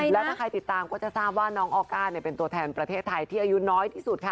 และถ้าใครติดตามก็จะทราบว่าน้องออก้าเป็นตัวแทนประเทศไทยที่อายุน้อยที่สุดค่ะ